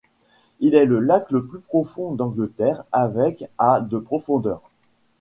Il est le lac le plus profond d'Angleterre avec à de profondeur.